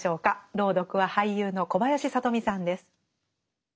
朗読は俳優の小林聡美さんです。